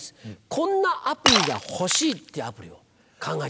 「こんなアプリが欲しい」ってアプリを考えてください。